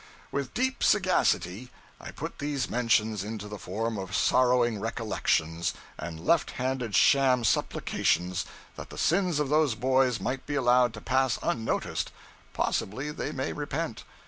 With deep sagacity I put these mentions into the form of sorrowing recollections and left handed sham supplications that the sins of those boys might be allowed to pass unnoticed 'Possibly they may repent.'